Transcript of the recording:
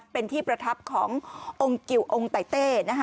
เป็นที่ประทับขององค์กิวองค์ไตเต้